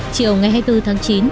chiều ngày hai mươi bốn tháng chín